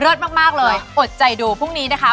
ก็ต้องกินอีกอย่างเลยอดใจดูพรุ่งนี้นะคะ